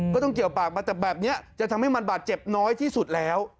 ก็ต้องเรียกดั้งดั้งดั้งแต่แบบนี้จะทำให้มันเจ็บน้อยที่สุดแล้ว